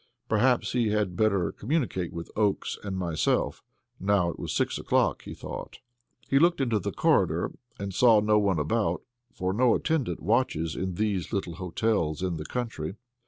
Perhaps he had better communicate with Oakes and myself, now it was six o'clock, he thought. He looked into the corridor and saw no one about, for no attendant watches in these little hotels in the country.